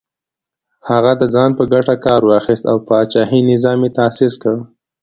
هغه د ځان په ګټه کار واخیست او پاچاهي نظام یې تاسیس کړ.